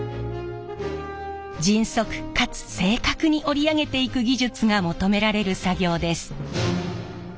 迅速かつ正確に織り上げていく技術が求められる作業です。